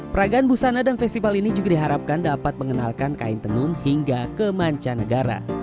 peragaan busana dan festival ini juga diharapkan dapat mengenalkan kain tenun hingga ke manca negara